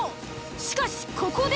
しかしここで。